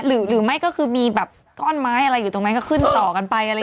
หรือไม่ก็คือมีแบบก้อนไม้อะไรอยู่ตรงนั้นก็ขึ้นต่อกันไปอะไรอย่างนี้